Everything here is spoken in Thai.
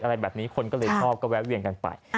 อะไรแบบนี้คนก็เลยชอบก็แวะเวียนกันไป